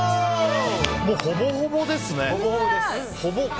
ほぼほぼですね。